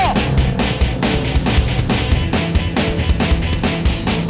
ya allah terima kasih